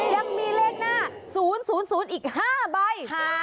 ยังมีเลขหน้า๐๐อีก๕ใบ